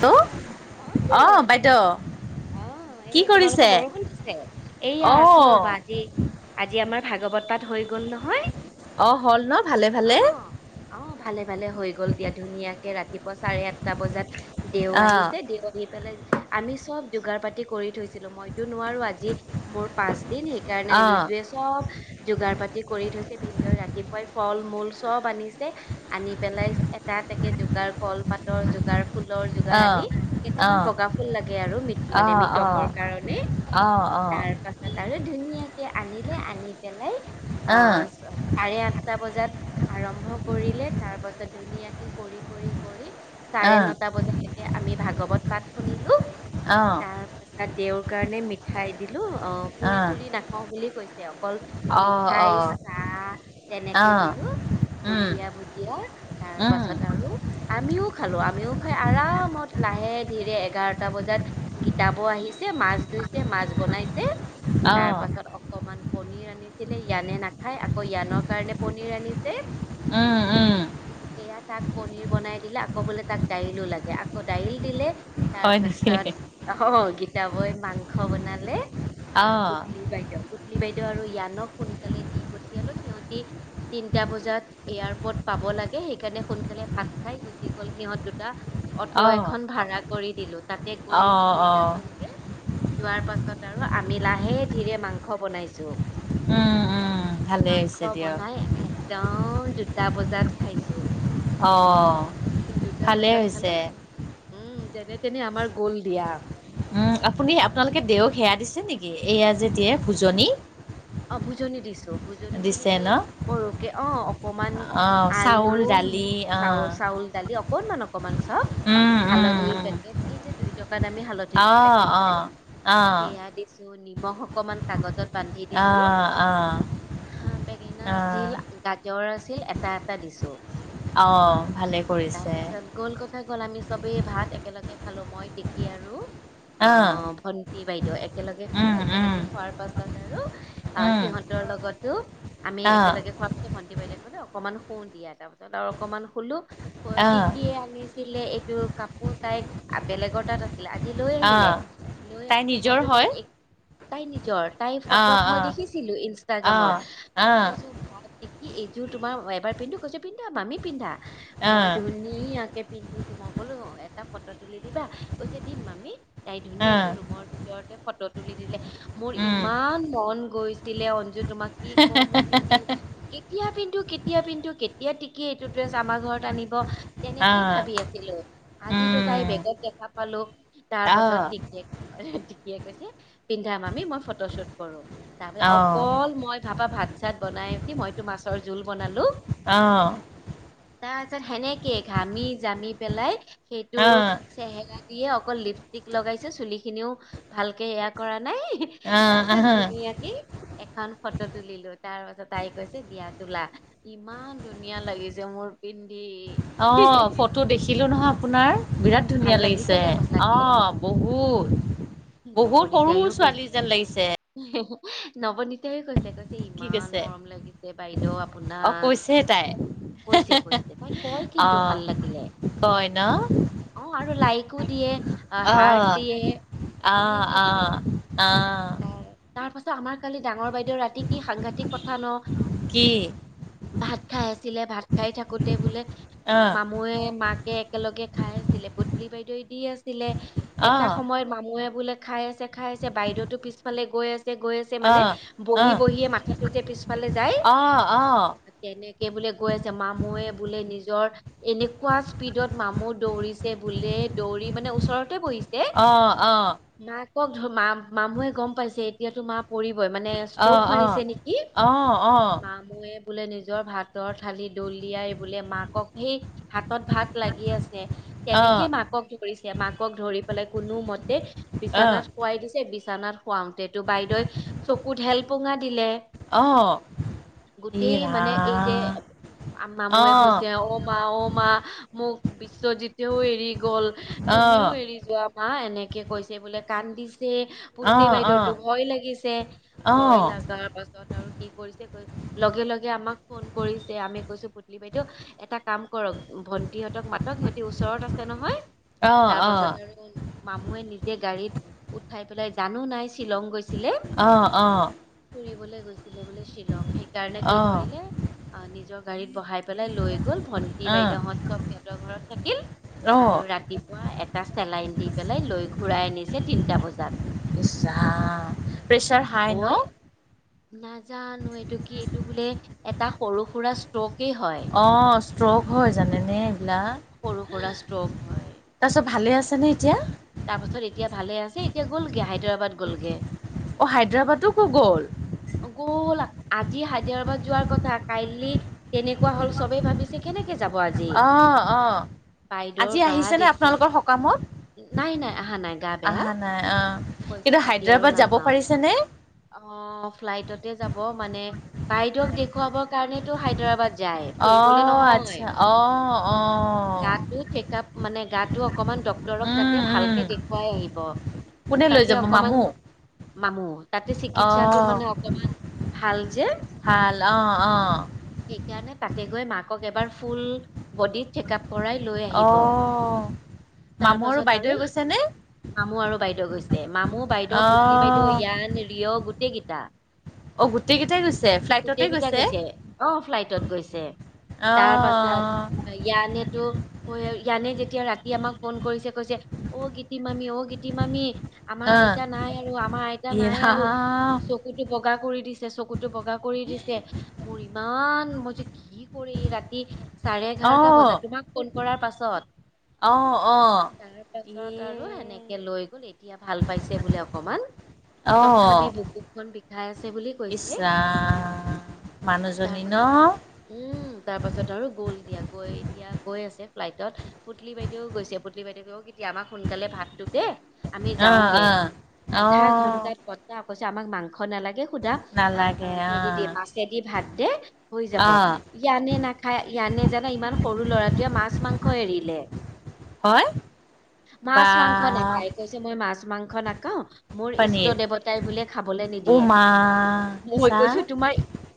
Hello অ জো অ কি এই কৰিছে তোমালোকৰ বৰষুণ দিছে এইয়া আছো ৰবা অ' আজি আজি আমাৰ ভাগবত পাথ হৈ গ'ল নহয়। অ হল ন ভালে ভালে অ', অ', ভালে ভালে হৈ গ'ল দিয়া ধুনীয়াকে ৰাতিপুৱা চাৰে আঠটা বজাত- দেও অ' আহিছে দেও আহি পেলাই আমি চব যোগাৰ পাতি কৰি থৈছিলো মই- নোৱাৰো আজি মোৰ পাঁচ দিন সেইকাৰণে অ' ৰিজুৱে চব যোগাৰ পাতি কৰি থৈছে। ভিনদও ৰাতিপুৱাই ফল, মূল চব আনিছে আনি পেলাই এটা এটা কে যোগাৰ কল পাতৰ যোগাৰ ফুলৰ- যোগাৰ অ' অ' আনি কেইটামান অ' বগা ফুল লাগে আৰু মৃ অ' মানে অ' অ' মৃতকৰ কাৰণে- অ' অ' অ' তাৰ পাছত আৰু ধুনীয়াকে আনিলে আনি পেলাই অ' আহ চাৰে আঠ দুটা বজাত আৰম্ভ কৰিলে তাৰ পাছত ধুনীয়াকে কৰি কৰি কৰি চাৰে নটা বজালৈকে আমি ভাগৱত পাঠ শুনিলো তাৰ পাছত দেউৰ কাৰণে মিঠাই অহ, পুৰি -চুৰি নাখাওঁ বুলি কৈছে অকল মিঠাই, অ' চাহ অ' তেনেকে অ' দিলো বুন্দিয়া, ভুজীয়া তাৰ উম উম পাছত আৰু আমিও খালো আমিও খাই আৰাম লাহে ধীৰে এঘাৰটা বজাত গীতাবৌ আহিছে মাছ ধুইছে, মাছ বনাইছে তাৰ অ' পাছত অকমান পনীৰ আনিছিলে ইয়ানে নাখায় আকৌ ইয়ানৰ কাৰণে পনীৰ আনিছে আ', - আ', এয়া তাক পনীৰ বনাই দিলে আকৌ বোলে তাক দাইলো লাগে আকৌ দাইল দিলে তাৰ হয় নেকি পাছত অহ- হ গীতা বৌয়ে মাংস বনালে অ' অহ, পুতলি বাইদেউ পুতলি বাইদেউ আৰু য়ানক সোনকালে দি পঠিয়ালোঁ সিহতি তিনটা বজাত এয়ৰপৰ্ত পাব লাগে সেইকাৰণে সোনকালে ভাত খাই গুচি গ'ল সিহঁত দুটা অটো অ' অ' এখন ভাড়া কৰি দিলো তাতে গৈ অ' দুইটা গ'ল গে যোৱাৰ পাছত আৰু আমি লাহে ধীৰে মাংস বনাইছো উম উম [inaudible] ভালেই হৈছে মাংস দিয়ক বনাই একদম অ' দুটা বজাত খাইছো। অ', দুটা ভালেই বজাত খালো হৈছে উম যেনে -তেনে আমাৰ গোল দিয়া। উম, আপুনি আপোনালোকে দেওক সেয়া দিছে নেকি এয়া যে দিয়ে ভোজনী? অহ, ভোজনী দিছো ভোজনী মানে দিছে ন? এই সৰুকে অহ অকমান অ' আলু, চাউল, দালি চা অ'। -চাউল -দালি অক অকনমান- অকমান চব উম, উম, হালধিৰ উম। পেকেট এই যে দুই দুইতকা দামি হালধি অ', পেকট পাই অ', অ', সেয়া দিছো নিমখ অকমান কাগজত বান দিছো অ', হা বেঙেনা অ', অ'। আছিল গাজৰ আছিল এটা -এটা দিছো। অ' ভালে [inaudible] কৰিছে। তাৰপাছত গ'ল কথা গ'ল আমি চবেই ভাত একেলগে খালোঁ মই, তিকি আৰু অ' আহ ভন্টি, বাইদেউ একেলগে খালো উম, উম, একেলগে খোৱাৰ পাছত আৰু আহ, উম। সিহঁতৰ লগতো আমি অ', একেলগে খোৱা [unintelligible] ভণ্টি, বাইদেউ কলে অকণমান শু দিয়া তাৰ পাছত আৰু অকণমান শুলো ৱ অ', টিকীয়ে আনিছিলে এইটো কাপোৰ তাইক বেলেগৰ তাত আছিল আজি লৈ আহিলে অ'। লৈ তাই আহোতে নিজৰ মইতো হয়? তাইক তাই নিজৰ তাই ফ ত অ', মই অ', দেখিছিলো ইনষ্টাগ্ৰামত অ', মই অ', কৈছো বা টিকি এইযোৰ তোমাৰ এবাৰ পিন্ধো কৈছে পি পিন্ধা মামী পিন্ধা অ', মই অ', ধুনীয়াকে পিন্ধিছো মই ক'লো এটা ফটো তুলি দিবা কৈছে দিম মামি তাই ধুনীয়াকে ৰুমৰ ভিতৰতে ফটো তুলি দি লে মোৰ উম, ইমান মন গৈছিলে অঞ্জু তোমাক কি কম মোৰ পিন্ধি কেতিয়া পিন্ধো -কেতিয়া পিন্ধো কেতিয়া টিকীয়ে এইটো ড্ৰেছ আমাৰ ঘৰত আনিব তেনেকেই অ', ভাবি আছিলো আজিতো তাই উম, বেগত পালো তাৰ পাছত অ', টিকীয়ে য়ে -টিকীয়ে কৈছে পিন্ধা মামি মই ফটোশ্বুট কৰো তাৰপ অ', অকল মই ভাবা ভাত- চাত বনাই উঠি মইতো মাছৰ জোল বনালো। অহ [inaudible] তাৰ পিছত সেনেকে ঘামি -জামি পেলাই সেইটো অ', চেহেৰা দিয়ে অকল লিপ টিক লগাইছে চুলি খিনিও ভালকে এয়া কৰা নাই অ', তাৰচত ত আহা ধুনীয়াকে এখন ফটো তুলিলো তাৰ পাছত তাই কৈছে দিয়াত তোলা ইমান ধুনীয়া লাগিছে মোৰ পিন্ধি অ', [unintelligible] ফটো দেখিলো নহয় আপোনাৰ বিৰাট ভাল ধুনীয়া লাগিছে নে সঁচাকে অহ বহুত। বহুত সৰু নৱনীতাইও ছোৱালী যেন লাগিছে। নৱনীতাইও কৈছে - কৈছে কি ইমান কৈছে মৰম লাগিছে বাইদেউ আপোনাক কৈছে কৈছে তাই কয় কিন্তু আহ ভাল লাগিলে কই ন অ আৰু লাইকো দিয়ে অ হাৰ অ', দিয়ে অ', ধুনীয়াকে অ', দিয়ে। অ', তাৰ পাছত আমাৰ কালি ডাঙৰ বাইদেউ ৰাতি কি সাংঘাতিিক কথা ন [inaudible] ভাত খাই আছিলে ভাত খাই থাকোতে বোলে অ মামু মাকে একেলগে খাই আছিলে পুতলি বাইদেৱে দি আছিলে এটা অ', সময়ত মামুৱে বোলে খাই আছে খাই আছে বাইদেউতো পিছফালে গৈ আছে গৈ আছে অ', মানে অ', বহি অ', বহিয়ে মাথাটো যে পিছফালে যায়। অ', অ', তেনেকে বোলে গৈ আছে মামুুৱে বোলে নিজৰ এনেকুৱা স্পীডত মামুৰ দৌৰিছে বোলে দৌৰি মানে ওচৰতে বহিছে অ', অ', অ', মাক কক ধ মা মামুহে গম পাইছে এতিয়াতো মা পৰিবই মানে ষ্ট্ৰক অ', মাৰিছে নেকি অ', মামুয়ে বোলে নিজৰ ভাত ৰ থালি দল দিয়াই বোলে মাকক সেই হাতত ভাত, লাগি আছে তেনেকেই মাক ধৰিছে মাকক ধৰি পেলাই কোনো মতে অ', অ', বিছনাত খোৱাই দিছে চানাত খুৱাওতেটো বাইদেৱে চকুত ধেল পোঙা দিলে আহ গোটেই মানে এই যে আম নামহে অ', কৈছে অ মা অ মা মোক বিশ্বজিতেও এৰি গল তুমিও অ', এৰি যোৱা। হা এনেকে কৈছে বোলে কান্দিছে অ', পুতলি বাইদেউতো অ', ভয় লাগিছে ভয় অ', লগাৰ পাছত আৰু কি কৰিছে কৈ লগে লগে আমাক ফোন কৰিছে আমি কৈছো পুতলি বাইদেউ এটা কাম কৰক ভন্টি সতক মাতক সিহঁতি ওচৰত আছে নহয়। তাৰ পাছত আৰু মামুবে নিজে গাড়ীত উঠাই পেলাই জানো নাই শ্বিলং গৈছিলে অ', ফুৰিবলৈ। ছিল বোলে শ্বিলং সেইকাৰণে কি কৰিলে অ নিজৰ গাড়ীত বহাই পেলাই লৈ গ'ল ভন্টি বাইদেউহত চব সিহঁতৰ ঘৰত থাকিল। আৰু ৰাতিপুৱা এটা চেলাইন দি পেলাই লৈ ঘূৰাই আনিছে তিনটা বজাত। য প্ৰেছাৰ হাই অ ন। নাজানো এইটো কি এইটো বোলে এটা সৰু সুৰা ষ্ট্ৰপ। অ ষ্ট্ৰক হয় জানে নে। সৰু সুৰা ষ্ট্ৰক হয়। তাৰপিছত ভালে আছেনে এতিয়া? তাৰপাছত এতিয়া ভালে আছে। এ এতিয়া গ'লগৈ হায়দৰাবাদ গ'লগৈ। অ হায়দৰাবাদো কো গ'ল। গ'ল আজি হায়দৰাবাদ যোৱাৰ কথা কাইলি তেনেকুৱা হ'ল চবেই ভাবিছে কেনেকে যাব আজি। অ', অ বাইদেউৰ আজি গা আহিছে নে দেখুৱা আপোনালোকৰ সকামত। নাই নাই আহা নাই গা বেয়া। আহা নাই অ', কৈছে কিন্তু আদি আৰু হায়দৰাবাদ যাব নাযাও পাৰিছেনে? আহ ফ্লাইটতে যাব মানে বাইদেউক দেখুৱাবৰ কাৰণেতটো হায়দৰাবাদ যায় ফুৰিবলে অ', নহয় আচ্ছা অ', অ', গাটো চেক আপ মানে গাত অকমান ড্ক্তৰক তাকে উম, উম, ভালকে দেখুৱাই আহিব। কোনে লৈ তাতে যাব অকমান মামু। মামু তাতে চিকিৎসাটো অ', মানে অকমান ভাল যে ভাল অ', অ', সেইকাৰণে তাকে গৈ মাকক এবাৰ ফুল বডিত চেক আপ অ তাৰ মামু আৰু পাছত বাইদেউৱে গৈছে নে। মামু আৰু বাইদেউ গৈছে মামু বাইদেউ পুতলি বাইদেউ অ', য়ান ৰিয় গোটেই কেইটা অ', গোটেই কেইটাই গৈছে ফ্লাইটতে গোটেই কেইটা গৈছে আহ ফ্লাইটত গৈছে। তাৰ পাছত অ', ইয়ানেতো ইয়ানে যেতিয়া ৰাতি আমাক ফোন তিমামি আমাৰ অ', অ', আইতা নাই আৰু আমাৰ আইতা ই নাই আৰু ৰাম চকুতো ব বগা কৰি দিছে চকুতো বগা কৰি দিছে মোৰ ইমান মই যে কি কৰি ৰাতি চাৰে এঘাৰটা অ', বজাত তোমাক ফোন কৰাৰ পাছত। অ', অ', তাৰ পাছত ইয়ে আৰু এনেকে লৈ গ'ল এতিয়া ভাল পাইছে বোলে অকমান। তথাপি অ', বুকুখন বিষাই আছে বুলি ইছ কৈছে। ৰাম তাৰ মানুহজনী ন? পাছত উম তাৰ পাছত আৰু গ'ল দিয়া গৈ এতিয়া গৈ আছে ফ্লাইটত পুতলি বাইদেউও গৈছে পুতলি বাইদেউ ক এতিয়া আমাক সোনকালে ভাতটো দে আমি অ', যাওঁগে অ', আধা অ', ঘন্টাত কটা কৈছে আমাক মাংস নালাগে সোধা অ হেৰি দি মাছেদি ভাত দে হৈ যাব অ', ইয়ানে নাখায় ইয়ানে জানা ইমান সৰু ল'ৰাটোৱে মাছ মাংস এৰিলে। হয়। মাছ বা মাংস নাখায় কৈছে মই মাছ মাংস নাখাও মোৰ ইষ্ট পনীৰ দেৱতাই বোলে খাবলৈ। ও নিদিয়ে মা মই চা কৈছোঁ তোমাৰ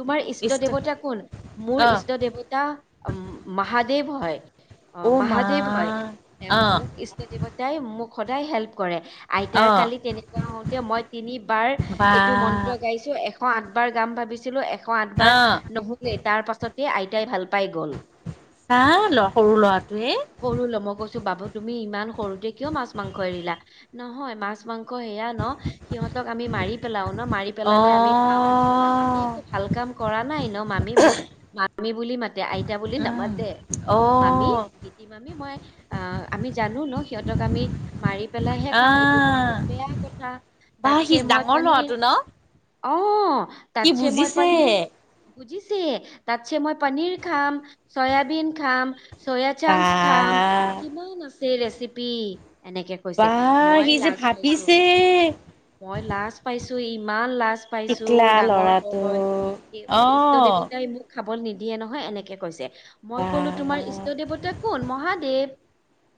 তোমাৰ ইষ্ট দেৱতা কোন মোৰ অ', ইষ্ট দেৱতা মহাদেৱ হয় অ ও মা মহাদেৱ হয়। এ অ', মোক ইষ্ট দেৱতাই মোক সদায় হেল্প।। কৰে আইতাৰ অ', কালি তেনেকোৱা হওঁতে মই তিনিবাৰ বা এইটো মন্ত্ৰ গাইছো এশ আঠ বাৰ গাম ভাবিছিলো এশ আঠ বাৰ আহ নহলে তাৰ পাছতে আইতাই ভাল পাই গ'ল চা ল সৰু ল'ৰাটোয়ে সৰু ল'ম কৈছো বাবু তুমি ইমান সৰুতে কিয় মাছ মাংস এৰিলা নহয় মাছ মাংস ক সেয়া ন সিহঁতক আমি মাৰি পেলাও মাৰি অ পেলালে আমি খাও আমি একো ভাল কাম কৰা নাই ন মামি মোক মামি বুলি মাতে আইতা বুলি নামাতে অহ গীতিমামি মই অ আমি জানো ন সিহঁতক আমি মাৰি পেলাইহে খাওঁ এইটোতো আহ বহুত বেয়া কথা বা তাতছে সি মই ডাঙৰ পানেই ল'ৰাটো ন অহ সি তাতছে মই বুজিছে পানীৰ বুজিছে তাতছে মই পনীৰ খাম চয়াবিন খাম বা চাংচ খাম কিমান আছে ৰেচিপি এনেকে কৈছে বা মই সি যে লাজ পাইছো ভাবিছে মই লাজ পাইছো ইমান লাজ পাইছো টিকলা ডাঙৰ ল'ৰাটো হয় এইবোৰ অ ইষ্ট দেৱতাই মোক খাব খাব নিদিয়ে নহয় এনেকে কৈছে মই বা ক'লো তোমাৰ ইষ্ট দেৱত মহাদেৱ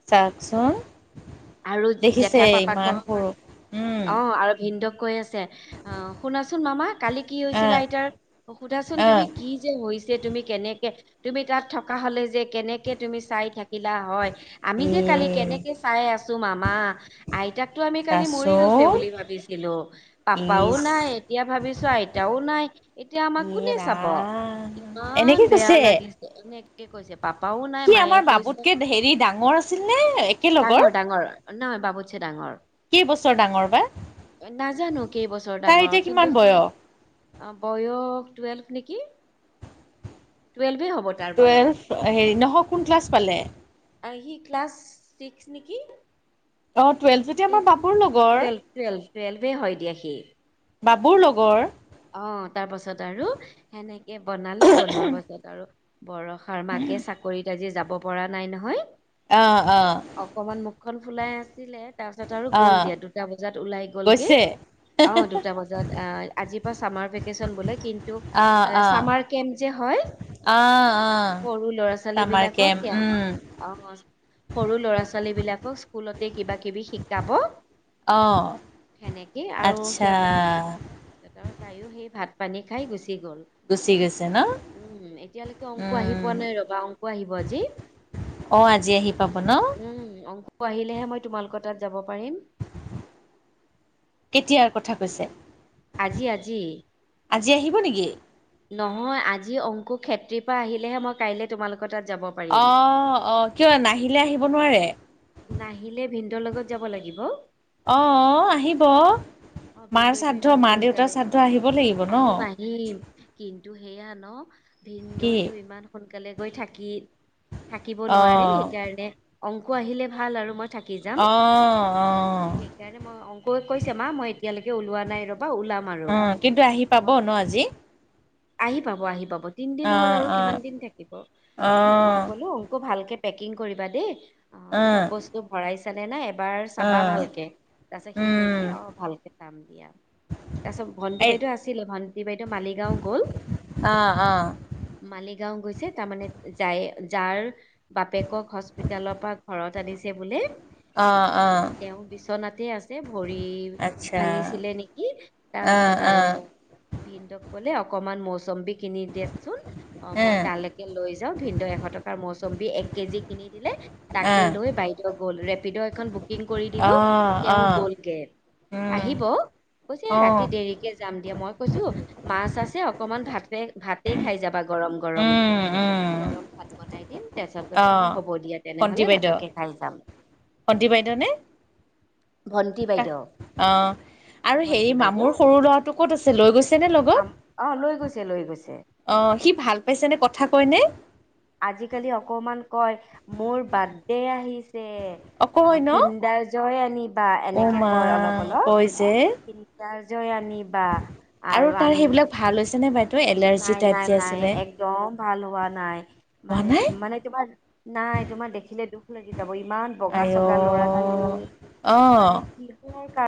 চাওকচোন আৰু দেখিছে জেঠা পাপা ক ইমান সৰু উম অ আৰু ভিন্দু কৈ আছে অ শুনাচোন মামা কালি কি আহ হৈছিলা আইতাৰ সুধাচোন আহ তুমি কি যে হৈ যে তুমি কেনেকে তুমি তাত থকা হলে যে কেনেকে তুমি চাই থাকিলা হয় আমি এ যে কালি কেনেকে চাই আছো মামা আইতাক আমি কালি মৰি গৈছে চাচোন বুলি ভাবিছিলো পাপাও নাই ইচ এতিয়া ভাবিছো আইতাও নাই এতিয়া আমাক কোনে এ চাব ৰাম ইমান এনেকে বেয়া কৈছে লাগিছে এনেকে কৈছে পাপ পাপাও নাই সি মায়ে আমাৰ কৈছে বাবুতকে হেৰি ডাঙৰ আছিল নে একেলগৰ ডাঙৰ ডাঙৰ নহয় বাবুছে ডাঙৰ কি বছৰ ডাঙৰ বা নাজানো কেইবছৰ তাৰ ডাঙৰ এতিয়া কিমান কিন্তু সি বয়স বয়স টুৱেলভ নেকি টুৱেলভ হব তাৰ বয়স টুৱেলভ হেৰি নহয় কোন ক্লাছ পালে সি ক্লাছ ছিক্স নেকি অ টুৱেলভ যদি ই আমাৰ বাপুৰ লগৰ টুৱেলভ টুৱেলভ টুৱেলভে হয় দিয়া সি বাবুৰ লগৰ অ তাৰ পাছত আৰু সেনেকে বনালো বনোৱাৰ পাছত আৰু বৰষাৰ মাকে চাকৰিত আজি যাব পৰা নাই নহয় অহ অহ মুখ খন ফুলাই আছিলে তাৰ পাছত আৰু গ'ল দিয়া দুটা বজাত ওলাই গ'লগৈ গৈছে অ দুটা বজাত অ আজি চামাৰ ভিকেচন বোলে কিন্তু আহ আ আহ চামাৰ কেম্প যে হয় আহ আহ সৰু ল'ৰা ছোৱালী চামাৰ বিলাকক কেম্প ক উম অ সৰু ল'ৰা ছোৱালী ল'ৰা ছোৱালী বিলাকক স্কুলতে কিবা কিবি শিকাব অঁ সেনেকে আচ্ছা তায়ো সেই ভাত পানী খাই গুচি গ'ল গুচি গৈছে ন উম এতিয়ালৈকে অংকু আহি উম পোৱা নাই ৰবা অংকু আহিব আজি অ আজি আহি পাব ন উম অংকু আহিলেহে মই তোমালোকৰ তাত যাব পাৰিম কেতিয়াৰ কথা কৈছে আজি আজি আজি আহিব নেকি নহয় আজি অংকু খেত্ৰীৰ পৰা আহিলেহে মই কাই তোমালোক অ অ কিয় নাহিলে আহিব নোৱাৰে নাহিলে ভিনন্দৰ লগত যাব লাগিব। অ', আহিব। অ মাৰ ভিনদেউ শ্ৰাদ্ধ ইমান মা দেউতাৰ সোনকালে শ্ৰাদ্ধ আহিব লাগিব আহিম ন' আহিম কিন্তু সেয়া ন কি? ভিনদেউ ইমান সোনকালে গৈ থাকিল থাকিব নোৱাৰে অ', সেইকাৰণে অংক আহিলে ভাল আৰু মই থাকি যাম অ', অ'। সেইকাৰণে মই অংকুয়ে কৈছে মা মই এতিয়ালৈকে ওলোৱা নাই ৰ অ কিন্তু আহি পাব ন আজি আহি পাব আহি পাব তিনদিন হল অ', আৰু কিমান অ', দিন থাকিব হা মই অ'। কলো অংকু ভালকে পেকিং কৰিব দেশৰ অ', বস্তু ভৰাইছানে নাই এবাৰ চাবা অ', ভালকে তাৰপিছত সি উম, কৰিছে অ ভালকে চাম দিয়া তাৰ পিছত ভণ্টি এই বাইদে আছিলে ভ বাইদেউ মালিগাঁও গ'ল অ', অ'। মালিগাঁও গৈছে তাৰমানে যাই যাৰ বাপেকক হস্পিতালৰ পৰা ঘৰত আনিছে বোলে অ', অ', তেওঁ বিচনাতে আছে ভৰি আচ্ছা। ভাঙিছিলে নেকি অ', তাৰপিছত আৰু অ', ভিনদেউ ক কলে অকমান মৌচম্বীক খিনি দিয়াচোন অ মই উম, তালৈকে লৈ যাম ভি এশ টকাৰ মৌচম্বী এক কেজি কিনি দিলে তাকে অ', লৈ বাইদেউ গ'ল ৰেপিড' এখন বু বুকিং কৰি দিলো অ', তেওঁ অ', গ'লগৈ উম। আহিব কৈছে ৰাতি অ', দেৰিকে যাম দিয়া মই কৈছো মা চাছ যে অকনমান ভা ভাতে খাই যাবা গৰম গৰম উম, উম, গৰম ভাত বনাই দিম তাৰ পিছত কৈছে অ হ'ব দিয়া তেনেহলে ভাতককে খাই যাম ভণ্টী বাইদেউ নে ভন্টি ক বাইদেউ আহ অ আৰু হেৰি ভন্টি বাইদেউ মামুৰ সৰু ল'ৰাটো ক'ত আছে লৈ গৈছে ন লগত পাম অ লৈ গৈছে লৈ গৈছে অ সি ভাল পাইছে নে কথা কয় নে আজিকালি অকমান কয় মোৰ বাৰ্থডে আহিছে অঁ কয় অ ন কিণ্ডাৰ্জইে আনিবা অ এনেকে মা কয় অলপ অলপাৰ কয় যে জয় আনি বা আৰু তাৰ আমি সেইবিলাক ভাল হৈছেনে বাইদেউ এলাৰ্জি নাই টাইপ নাই যে নাই আছিলে একদম ভাল হোৱা নাই হোৱা মানে নাই মানে তোমাৰ নাই তোমাক দেখিলেতো যাব ইমান বগা আই চগা ল'ৰাটো অ' মানে অঁ কিহৰ কাৰ